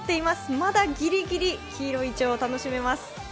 まだギリギリ、黄色いイチョウを楽しめます。